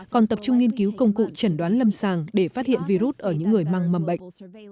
còn tập trung nghiên cứu công cụ chẩn đoán lâm sàng để phát hiện virus ở những người mang mầm bệnh